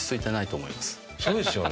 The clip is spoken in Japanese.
そうですよね。